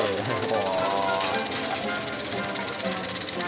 はあ。